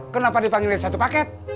kenapa dipanggilin satu paket